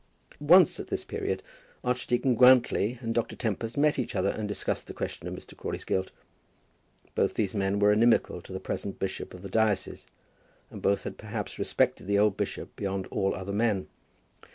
Once at this period Archdeacon Grantly and Dr. Tempest met each other and discussed the question of Mr. Crawley's guilt. Both these men were inimical to the present bishop of the diocese, and both had perhaps respected the old bishop beyond all other men.